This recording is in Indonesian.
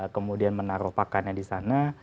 kemudian menaruh pakannya di sana